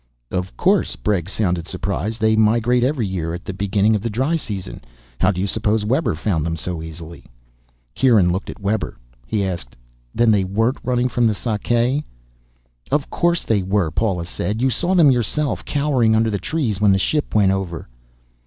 "Of course." Bregg sounded surprised. "They migrate every year at the beginning of the dry season. How do you suppose Webber found them so easily?" Kieran looked at Webber. He asked, "Then they weren't running from the Sakae?" "Of course they were," Paula said. "You saw them yourself, cowering under the trees when the ship went over."